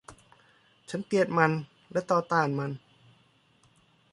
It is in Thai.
ฉันเกลียดมันและต่อต้านมัน